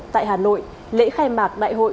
tại hà nội lễ khai mạc đại hội